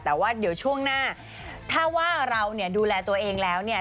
แต่ว่าเดี๋ยวช่วงหน้าถ้าว่าเราเนี่ยดูแลตัวเองแล้วเนี่ย